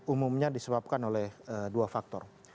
umumnya disebabkan oleh dua faktor